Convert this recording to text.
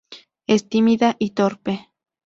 Es tímida y torpe.